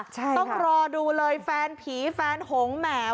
ใช่ต้องรอดูเลยแฟนผีแฟนหงแหม